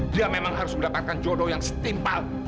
dia memang harus mendapatkan jodoh yang setimpal